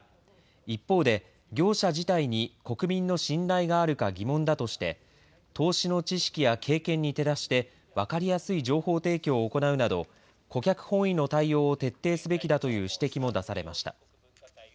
一方で業者自体に国民の信頼があるか疑問だとして投資の知識や経験に照らして分かりやすい情報提供を行うなど顧客本位の対応を徹底すべきだという指摘も出されました。